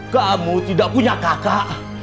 kamu tidak punya kakak